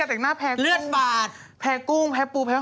เจ๊ฟากันเปละว่ะ